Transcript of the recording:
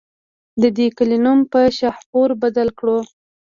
د دې کلي نوم پۀ شاهپور بدل کړو